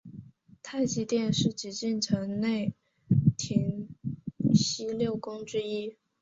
太极殿是紫禁城内廷西六宫之一。